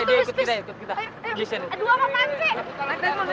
aduh apaan sih